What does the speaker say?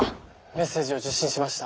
メッセージを受信しました。